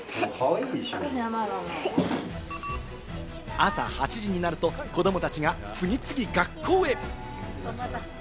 朝８時になると子供たちが次々学校へ。